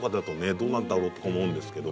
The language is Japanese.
「どうなんだろう？」とか思うんですけど。